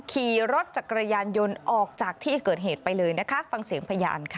ขี่รถจักรยานยนต์ออกจากที่เกิดเหตุไปเลยนะคะฟังเสียงพยานค่ะ